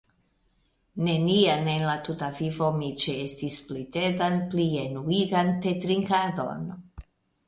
Neniam en la tuta vivo mi ĉeestis pli tedan pli enuigan tetrinkadon.